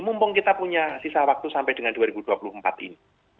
mumpung kita punya sisa waktu sampai dengan dua ribu dua puluh empat ini